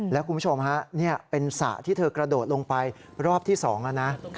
แล้วคุณผู้ชมฮะนี่เป็นสระที่เธอกระโดดลงไปรอบที่๒แล้วนะ